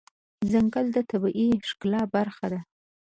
ځنګل د طبیعي ښکلا برخه ده.